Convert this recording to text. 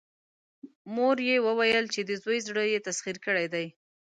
مور يې وويل چې د زوی زړه يې تسخير کړی دی.